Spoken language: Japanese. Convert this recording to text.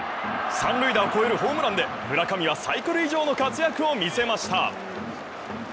３塁打を超えるホームランで、村上はサイクル以上の活躍を見せました。